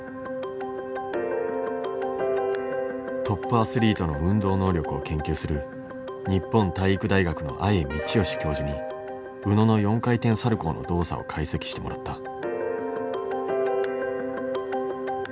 トップアスリートの運動能力を研究する日本体育大学の阿江通良教授に宇野の４回転サルコーの動作を解析してもらった。